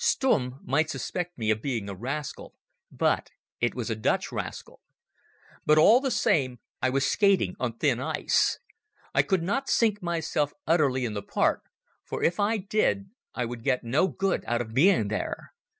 Stumm might suspect me of being a rascal, but it was a Dutch rascal. But all the same I was skating on thin ice. I could not sink myself utterly in the part, for if I did I would get no good out of being there.